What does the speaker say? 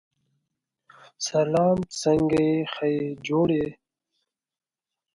The rooms were spacious, well-maintained, and equipped with all the necessary amenities.